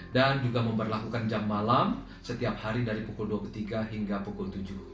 juga memperlakukan jam malam setiap hari dari pukul dua puluh tiga hingga pukul tujuh